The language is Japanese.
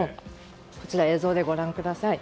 こちら、映像でご覧ください。